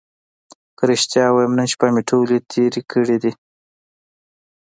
که رښتیا ووایم نن شپه مې ټولې تېرې کړې دي.